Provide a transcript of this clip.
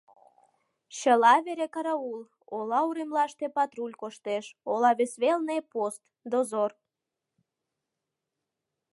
Чыла вере караул, ола уремлаште патруль коштеш, ола вес велне — пост, дозор...